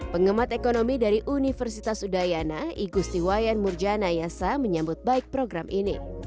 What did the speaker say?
pengamat ekonomi dari universitas udayana igustiwayan murjana yasa menyambut baik program ini